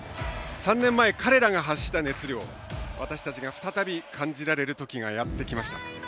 ３年前、彼らが発した熱量を私たちが再び感じられるときがやってきました。